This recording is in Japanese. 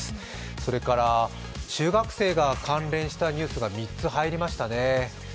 それから、中学生が関連したニュースが３つ入りましたね。